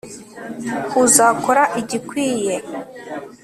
uzakora igikwiye